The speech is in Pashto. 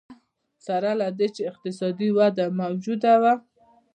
سره له دې چې اقتصادي وده موجوده وه.